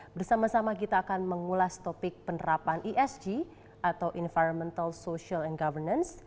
bersama sama kita akan mengulas topik penerapan esg atau environmental social and governance